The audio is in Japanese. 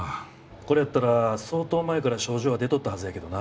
これやったら相当前から症状は出とったはずやけどな。